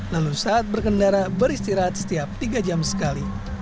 lalu saat berkendara beristirahat setiap tiga jam sekali